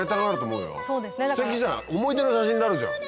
思い出の写真になるじゃん。